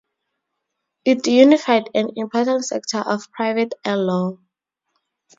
It unified an important sector of private air law.